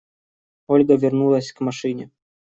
Ольга вернулась к машине.